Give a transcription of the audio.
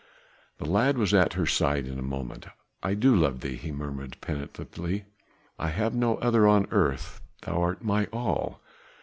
The lad was at her side in a moment. "I do love thee," he murmured penitently. "I have no other on earth, thou art my all.